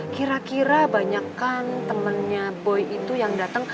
kira kira banyak kan temennya boy itu yang dateng